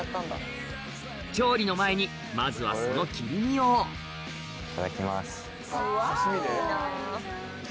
調理の前にまずはその切り身をいただきます。